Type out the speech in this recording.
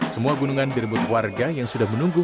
semua gunungan direbut warga yang sudah menunggu